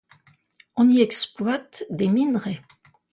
On y exploite des minerais.